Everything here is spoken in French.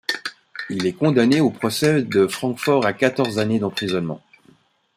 Il est condamné au procès de Francfort à quatorze années d'emprisonnement.